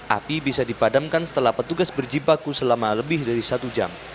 api bisa dipadamkan setelah petugas berjibaku selama lebih dari satu jam